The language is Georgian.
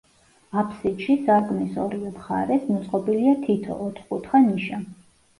აფსიდში, სარკმლის ორივე მხარეს, მოწყობილია თითო, ოთხკუთხა ნიშა.